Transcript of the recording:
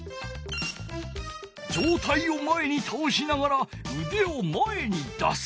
上体を前にたおしながらうでを前に出す。